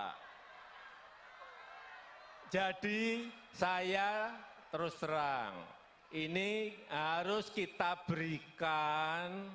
hai jadi saya terus terang ini harus kita berikan